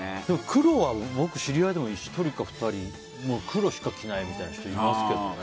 黒は僕知り合いでも１人か２人黒しか着ないみたいな人いますけどね。